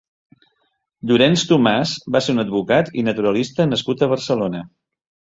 Llorenç Tomàs va ser un advocat i naturalista nascut a Barcelona.